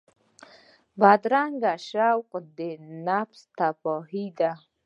بدرنګه شوق د نفس تباهي ده